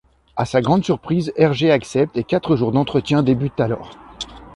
À sa grande surprise, Hergé accepte et quatre jours d'entretiens débutent alors.